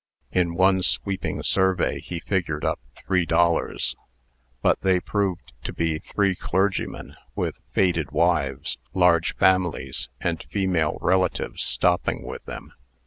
In one sweeping survey, he figured up three dollars. But they proved to be three clergymen, with faded wives, large families, and female relatives stopping with them.